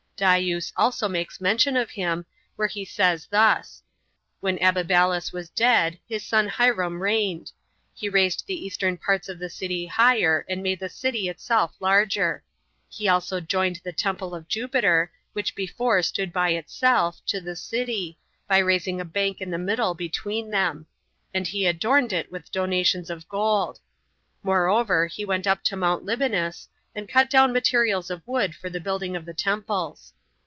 Dius also makes mention of him, where he says thus: 'When Abibalus was dead, his son Hiram reigned. He raised the eastern parts of the city higher, and made the city itself larger. He also joined the temple of Jupiter, which before stood by itself, to the city, by raising a bank in the middle between them; and he adorned it with donations of gold. Moreover, he went up to Mount Libanus, and cut down materials of wood for the building of the temples.'